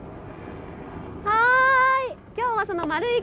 はい。